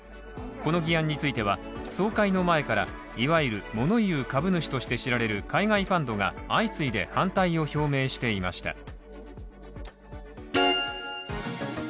この議案については、総会の前から、いわゆる物言う株主として知られる海外ファンドが相次いで反対を表明していました。